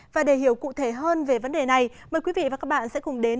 và để hiểu cụ thể hơn về vấn đề này mời quý vị và các bạn sẽ cùng đến